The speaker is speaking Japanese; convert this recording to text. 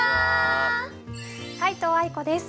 皆藤愛子です。